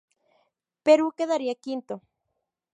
Perú quedaría quinto.